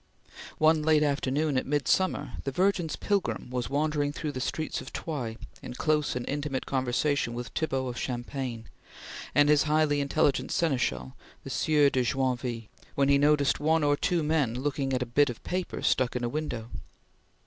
One late afternoon, at midsummer, the Virgin's pilgrim was wandering through the streets of Troyes in close and intimate conversation with Thibaut of Champagne and his highly intelligent seneschal, the Sieur de Joinville, when he noticed one or two men looking at a bit of paper stuck in a window.